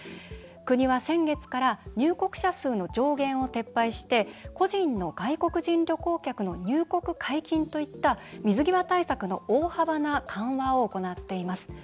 国は先月から入国者数の上限を撤廃して、個人の外国人旅行客の入国解禁といった水際対策の大幅な緩和を行っています。